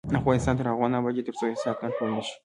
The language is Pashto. افغانستان تر هغو نه ابادیږي، ترڅو احساسات کنټرول نشي.